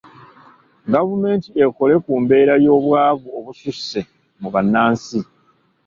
Gavumenti ekole ku mbeera y’obwavu obususse mu bannansi.